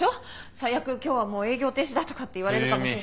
最悪今日はもう営業停止だとかって言われるかも。